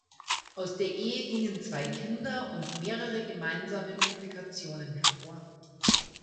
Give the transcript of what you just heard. Aus der Ehe gingen zwei Kinder und mehrere gemeinsame Publikationen hervor.